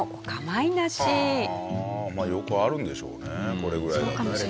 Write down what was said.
はあまあよくあるんでしょうねこれぐらいだと。